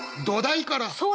土台から。